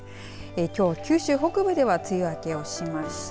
きょう九州北部では梅雨明けをしました。